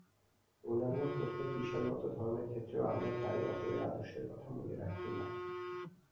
অন্যান্য প্রত্যেক বিষয়ের মত ধর্মের ক্ষেত্রেও আমরা প্রায়ই অপরের আদর্শের কথা মনে রাখি না।